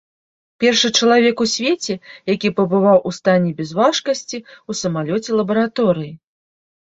Першы чалавек у свеце, які пабываў у стане бязважкасці ў самалёце-лабараторыі.